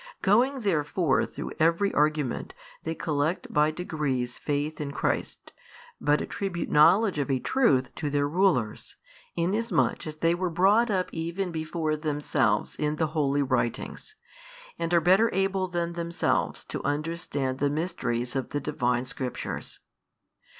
Going therefore through every argument they collect by degrees faith in Christ, but attribute knowledge of a truth to their rulers, inasmuch as they were brought up even before themselves in the holy writings, and are better able than themselves to understand the mysteries of the Divine Scriptures.